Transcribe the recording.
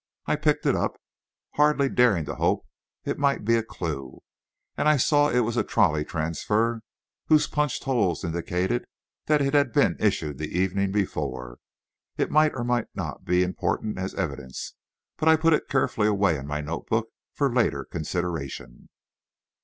I picked it up, hardly daring to hope it might be a clue, and I saw it was a trolley transfer, whose punched holes indicated that it had been issued the evening before. It might or might not be important as evidence, but I put it carefully away in my note book for later consideration.